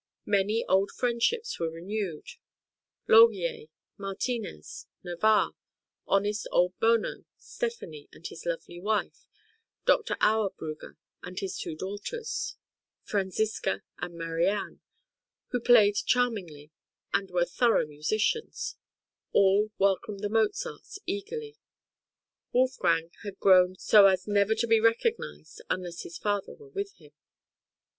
Many old friendships were renewed: L'Augier, Martinez, Novarre, honest old Bono, Stephanie and his lovely wife, Dr. Auerbrugger and his two daughters, Franziska and Mariane, "who played charmingly and were thorough musicians," all welcomed the Mozarts eagerly; Wolfgang had grown so as never to be recognised unless his father were with him.